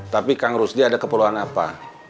tapi kang rusdi ada keperluan apa